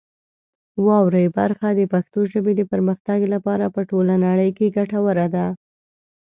واورئ برخه د پښتو ژبې د پرمختګ لپاره په ټوله نړۍ کې ګټوره ده.